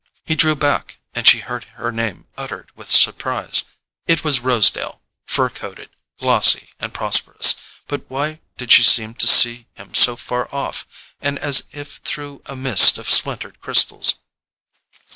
He drew back, and she heard her name uttered with surprise. It was Rosedale, fur coated, glossy and prosperous—but why did she seem to see him so far off, and as if through a mist of splintered crystals?